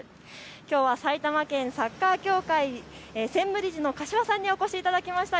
きょうは埼玉県サッカー協会専務理事の柏さんにお越しいただきました。